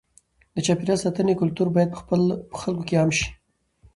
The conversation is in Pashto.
د چاپېریال ساتنې کلتور باید په خلکو کې عام شي.